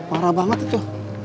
parah banget itu